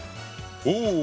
お！